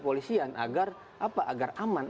polisian agar apa agar aman